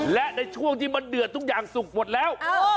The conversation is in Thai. และในช่วงที่มันเดือดทุกอย่างสุกหมดแล้ว